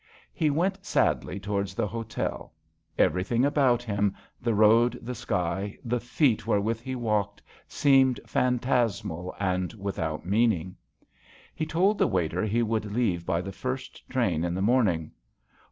He went sadly towards the hotel ; everything about him, the road, the sky, the feet wherewith he walked seeming phantasmal and without meaning. He told the waiter he would leave by the first train in the morning.